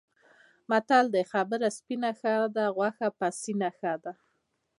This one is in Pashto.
متل دی: خبره سپینه ښه ده، غوښه پسینه ښه ده.